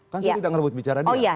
kan saya tidak ngerebut bicara dia